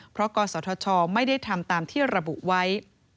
เพราะกศธชไม่ได้ทำตามที่ระบุไว้